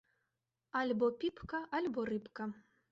Альбо піпка, альбо рыбка!